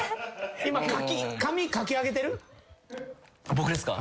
僕ですか？